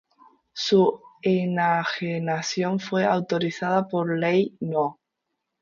Su enajenación fue autorizada por ley No.